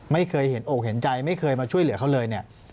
ไม่เคยเห็นอกเห็นใจไม่เคยมาช่วยเหลือเขาเลยเนี่ย